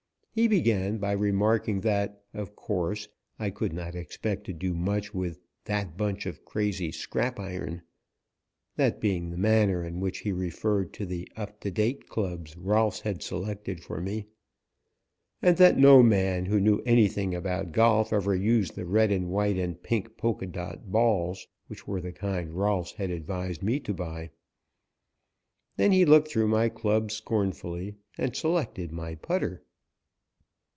He began by remarking that, of course, I could not expect to do much with "that bunch of crazy scrap iron" that being the manner in which he referred to the up to date clubs Rolfs had selected for me and that no man who knew anything about golf ever used the red white and pink polka dot balls, which were the kind Rolfs had advised me to buy. Then he looked through my clubs scornfully and selected my putter.